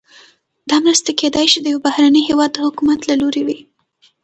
دا مرستې کیدای شي د یو بهرني هیواد د حکومت له لوري وي.